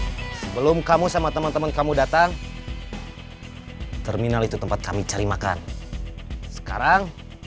hai sebelum kamu sama teman teman kamu datang terminal itu tempat kami cari makan sekarang